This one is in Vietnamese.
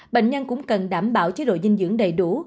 bệnh nhân cũng cần đảm bảo chế độ dinh dưỡng đầy đủ